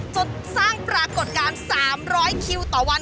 จนสร้างปรากฏการณ์๓๐๐คิวต่อวัน